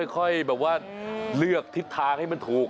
ค่อยแบบว่าเลือกทิศทางให้มันถูก